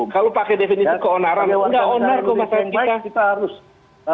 kalau pakai definisi keonaran tidak onar kok masyarakat kita